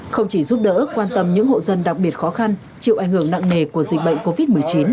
không chỉ giúp đỡ quan tâm những hộ dân đặc biệt khó khăn chịu ảnh hưởng nặng nề của dịch bệnh covid một mươi chín